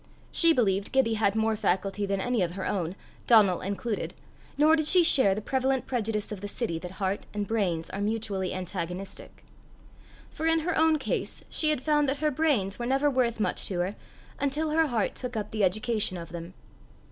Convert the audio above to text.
She believed Gibbie had more faculty than any of her own, Donal included, nor did she share the prevalent prejudice of the city that heart and brains are mutually antagonistic; for in her own case she had found that her brains were never worth much to her until her heart took up the education of them.